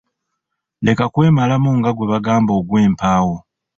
Leka kwemalamu nga gwe bagamba ogw'empaawo.